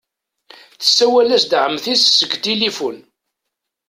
Tessawel-as-d Ɛemti-s seg tilifun.